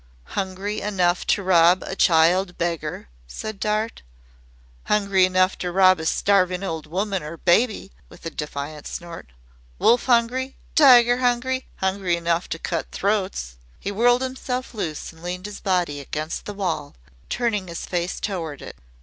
"Hungry enough to rob a child beggar?" said Dart. "Hungry enough to rob a starving old woman or a baby," with a defiant snort. "Wolf hungry tiger hungry hungry enough to cut throats." He whirled himself loose and leaned his body against the wall, turning his face toward it.